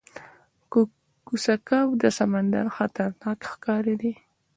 کوسه کب د سمندر خطرناک ښکاری دی